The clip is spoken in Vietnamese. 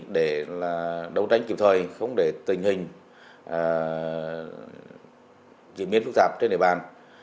để đấu tranh kịp thời không để tình hình diễn biến phức tạp trên địa bàn